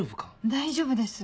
大丈夫です。